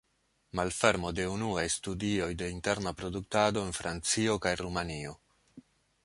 Malfermo de unuaj studioj de interna produktado en Francio kaj Rumanio.